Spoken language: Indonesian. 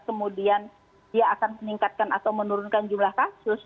kemudian dia akan meningkatkan atau menurunkan jumlah kasus